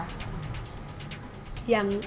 yang register ya mbak